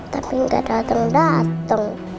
tapi enggak datang datang